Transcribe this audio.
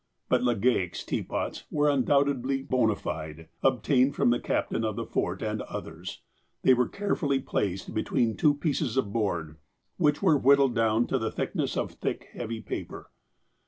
But Legale' s ''teapots" were undoubtedly bona fide, obtained from the captain of the Fort, and others. They were carefully placed between two pieces of board, which were whittled down to the thickness of thick, heavy paper.